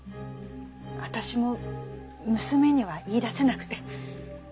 私も娘には言い出せなくて。